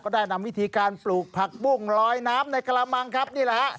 ได้นำวิธีการปลูกผักบุ้งลอยน้ำในกระมังครับนี่แหละฮะ